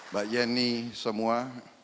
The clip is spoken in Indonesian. mbak yeni semua